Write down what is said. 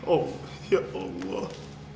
oh ya allah